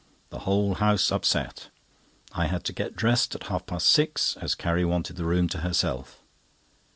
The whole house upset. I had to get dressed at half past six, as Carrie wanted the room to herself.